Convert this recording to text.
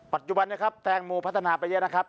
ปัจจุบันนะครับแตงโมพัฒนาไปเยอะนะครับ